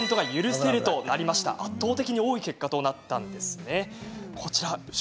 圧倒的に多い結果となったんですね。